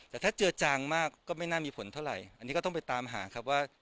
แต่ถ้าเจือจางมากก็ไม่น่ามีผลเท่าไหร่อันนี้ก็ต้องไปตามหาครับว่า